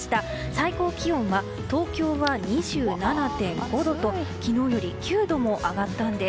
最高気温は東京は２７．５度と昨日より９度も上がったんです。